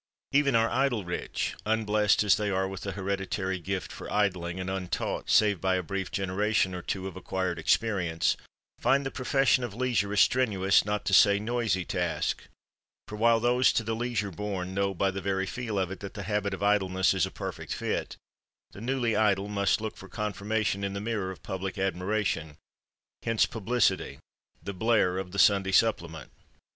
Even our idle rich, unblest as they are with the hereditary gift for idling, and untaught save by a brief generation or two of acquired experience, find the profession of Leisure a strenuous not to say noisy task, for while those to the leisure born know by the very feel of it that the habit of idleness is a perfect fit, the newly idle must look for confirmation in the mirror of public admiration; hence Publicity, the blare of the Sunday Supplement.